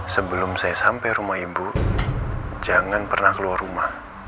sebelum saya sampai rumah ibu jangan pernah keluar rumah